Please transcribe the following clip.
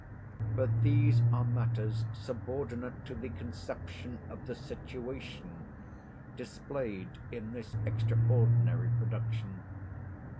But these are matters subordinate to the conception of the situation, displayed in this extraordinary production.